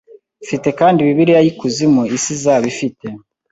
Mfite kandi Bibiliya yi kuzimu isi izaba ifite